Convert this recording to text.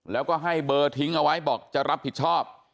แล้วก็ให้เบอร์ทิ้งเอาไว้บอกจะรับผิดชอบ